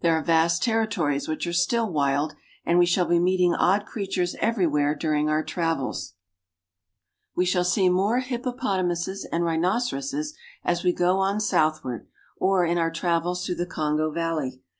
There are vast territories which are still wild, and we shall be meeting odd creatures everywhere during our travels. We shall see more hippopotamuses and rhinoceroses as we go on southward or in our travels through the Kongo valley.